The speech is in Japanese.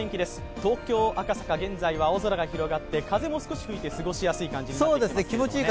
東京・赤坂、現在は青空が広がって風も少し吹いて、過ごしやすい感じになってきてますけどね。